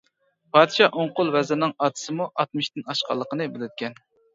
پادىشاھ ئوڭ قول ۋەزىرنىڭ ئاتىسىمۇ ئاتمىشتىن ئاشقانلىقىنى بىلىدىكەن.